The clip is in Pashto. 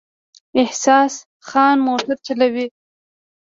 احسان خان موټر چلوي